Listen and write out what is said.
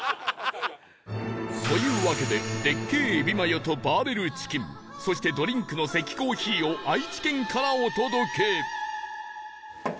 というわけででっけぇ海老マヨとバーレルチキンそしてドリンクの関珈琲を愛知県からお届け